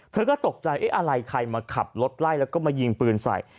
เธอก็ตกใจเอ๊ะอะไรใครมาขับรถไล่แล้วก็มายิงปืนใส่